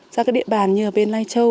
ra các địa bàn như là bên lai châu